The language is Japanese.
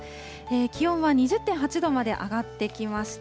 気温は２０．８度まで上がってきました。